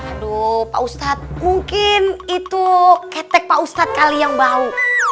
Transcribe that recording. aduh pak ustadz mungkin itu ketek pak ustadz kalian bau